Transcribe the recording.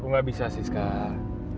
aku gak bisa sih skal